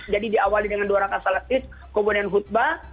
jadi diawali dengan dua rakat salat id kemudian khutbah